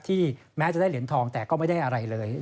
แม้จะได้เหรียญทองแต่ก็ไม่ได้อะไรเลย